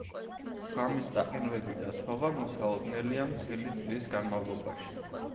ღამის წაყინვები და თოვა მოსალოდნელია მთელი წლის განმავლობაში.